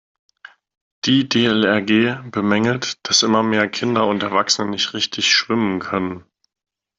Die DLRG bemängelt, dass immer mehr Kinder und Erwachsene nicht richtig schwimmen können.